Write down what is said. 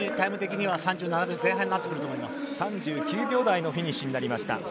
３９秒台のフィニッシュになりました。